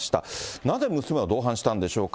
なぜ娘を同伴したんでしょうか。